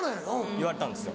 言われたんですよ。